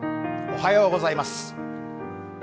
おはようございます。